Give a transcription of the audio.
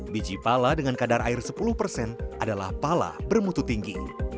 biji pala dengan kadar air sepuluh persen adalah pala bermutu tinggi